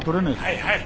はいはい。